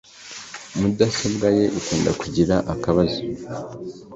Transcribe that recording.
mudasobwa ye ikunda kugira akabazo